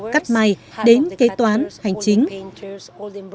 cắt mài đến kế toán hành chính